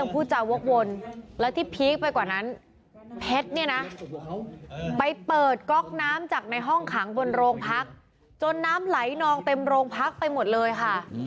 ไปเปิดก๊อกน้ำจากในห้องขังบนโรงพักจนน้ำไหลนองเต็มโรงพักไปหมดเลยค่ะ